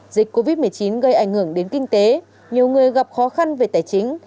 dịch covid một mươi chín gây ảnh hưởng đến kinh tế nhiều người gặp khó khăn về tài chính